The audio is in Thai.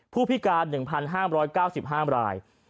ผู้พิการ๑๕๙๕ราย